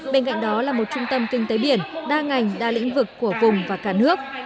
bên cạnh đó là một trung tâm kinh tế biển đa ngành đa lĩnh vực của vùng và cả nước